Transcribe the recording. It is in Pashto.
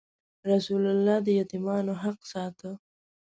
رسول الله د یتیمانو حق ساته.